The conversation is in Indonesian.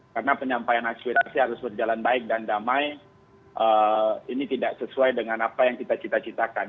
karena penyampaian aspirasi harus berjalan baik dan damai ini tidak sesuai dengan apa yang kita cita citakan